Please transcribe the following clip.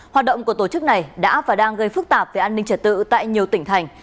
hoạt động của tổ chức này đã và đang gây phức tạp về an ninh trật tự tại nhiều tỉnh thành